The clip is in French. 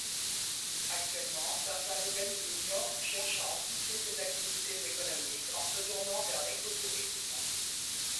Actuellement, Tartarugalzinho cherche à amplifier ses activités économiques en se tournant vers l'écotourisme.